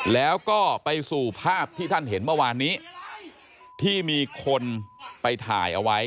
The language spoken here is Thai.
แล้วก็ไปสู่ภาพที่ท่านเห็นเมื่อวานนี้ที่มีคนไปถ่ายเอาไว้